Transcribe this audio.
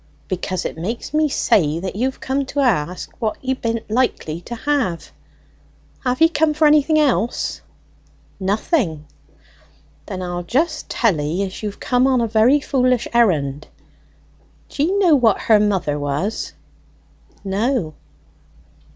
"Because it makes me say that you've come to ask what ye be'n't likely to have. Have ye come for anything else?" "Nothing." "Then I'll just tell 'ee you've come on a very foolish errand. D'ye know what her mother was?" "No."